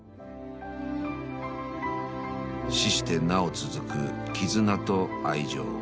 ［死してなお続く絆と愛情］